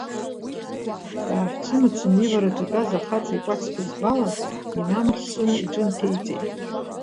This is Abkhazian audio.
Дааҳәцымцын, ивараҿ итәаз ахаҵа икәац ҳәызбала инамырссаны иҿы инҭеиҵеит.